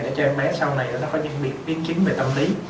để cho em bé sau này nó có những biến chứng về tâm lý